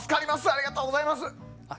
ありがとうございます。